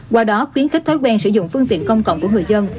qua đó khuyến khích thói quen sử dụng phương tiện công cộng của người dân